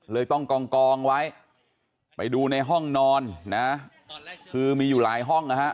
เลยต้องกองไว้ไปดูในห้องนอนนะคือมีอยู่หลายห้องนะฮะ